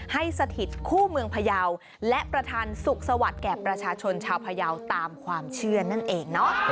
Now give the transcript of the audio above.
สถิตคู่เมืองพยาวและประธานสุขสวัสดิ์แก่ประชาชนชาวพยาวตามความเชื่อนั่นเองเนาะ